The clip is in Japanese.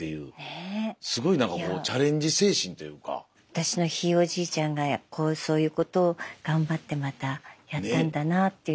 私のひいおじいちゃんがそういうことを頑張ってまたやったんだなというのも。